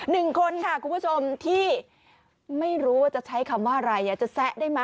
๑คนครับคุณผู้ชมที่ไม่รู้ว่าจะใช้คำว่าอะไรจะแซะได้มะ